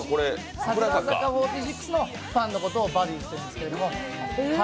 櫻坂４６のファンのことをバディーズと言うんですけど。